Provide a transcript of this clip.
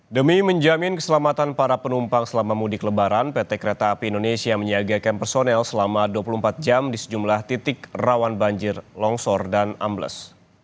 demi menjamin keselamatan para penumpang selama mudik lebaran pt kereta api indonesia menyiagakan personel selama dua puluh empat jam di sejumlah titik rawan banjir longsor dan ambles